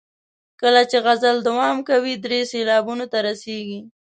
کله چې غزل دوام کوي درې سېلابونو ته رسیږي.